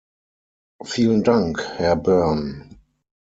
Vielen Dank, Herr Byrne.